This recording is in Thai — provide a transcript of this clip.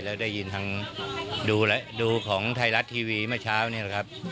แล้วได้ยินทางดูของไทยรัฐทีวีเมื่อเช้านี่แหละครับ